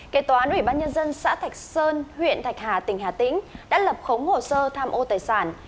kế toán ủy ban nhân dân xã thạch sơn huyện thạch hà tỉnh hà tĩnh đã lập khống hồ sơ tham ô tài sản